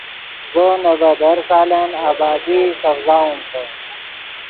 زو نے بدر سالن آدبادئی سڤزاؤمتے